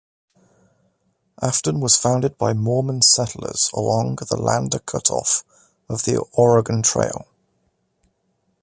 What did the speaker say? Afton was founded by Mormon settlers along the Lander cutoff of the Oregon Trail.